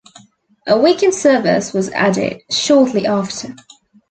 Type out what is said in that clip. A weekend service was added shortly after.